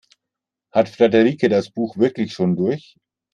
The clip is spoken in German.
Hat Friederike das Buch wirklich schon durch?